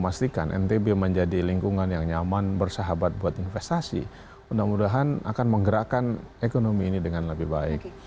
memastikan ntb menjadi lingkungan yang nyaman bersahabat buat investasi mudah mudahan akan menggerakkan ekonomi ini dengan lebih baik